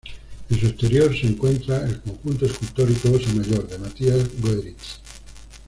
En su exterior, se encuentra el conjunto escultórico "Osa mayor" de Mathias Goeritz.